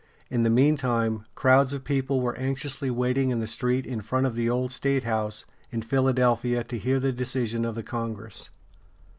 In the meantime, crowds of people were anxiously waiting in the street in front of the old statehouse in Philadelphia to hear the decision of the Congress.